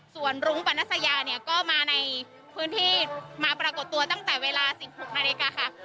ส่วนรุ้งปรณสยาเนี่ยก็มาในพื้นที่มาปรากฏตัวตั้งแต่เวลา๑๖นาฬิกาค่ะ